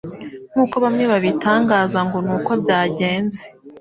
Nkuko bamwe babitangaza ngo nuko byagenze